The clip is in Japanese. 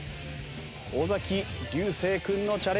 尾崎龍星君のチャレンジです。